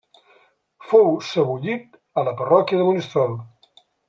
Fou sebollit a la parròquia de Monistrol.